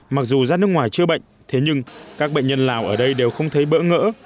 mặc dù giác nước ngoài chưa bệnh thế nhưng các bệnh nhân lào ở đây đều không thấy bỡ ngỡ